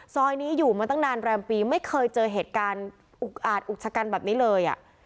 ซอยนี้อยู่มาตั้งนานแรมปีไม่เคยเจอเหตุการณ์อุกอาจอุกชะกันแบบนี้เลย